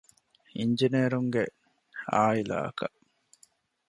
އިންޖިނޭރުންގެ ޢާއިލާ އަކަށް